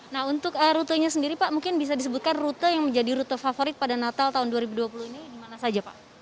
nah untuk rutenya sendiri pak mungkin bisa disebutkan rute yang menjadi rute favorit pada natal tahun dua ribu dua puluh ini di mana saja pak